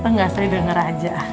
nah yang itu gak usah didengar aja